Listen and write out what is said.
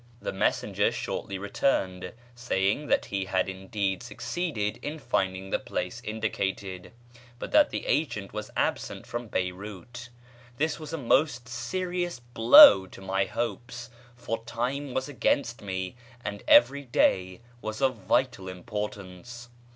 The messenger shortly returned, saying that he had indeed succeeded in finding the place indicated, but that the agent was absent from Beyrout. This was a most serious blow to my hopes, for time was against me, and every day was of vital importance.